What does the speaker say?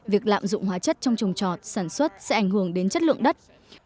việc lạm dụng hóa chất trong trồng trọt sản xuất sẽ ảnh hưởng đến chất lượng đất